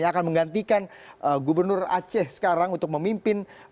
yang akan menggantikan gubernur aceh sekarang untuk memimpin